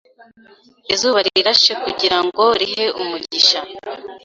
Izuba rirashe kugirango rihe umugisha